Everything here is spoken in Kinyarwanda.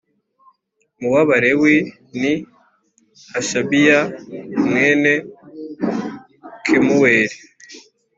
mu w Abalewi ni Hashabiya mwene Kemuweli